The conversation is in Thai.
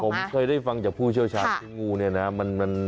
ผมเคยได้ฟังจากผู้เชี่ยวชาญคืองูเนี่ยนะ